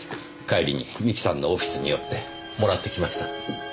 帰りに三木さんのオフィスに寄ってもらってきました。